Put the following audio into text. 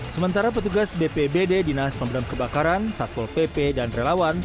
sementara petugas bpbd dinas pembedam kebakaran satpol pp dan relawan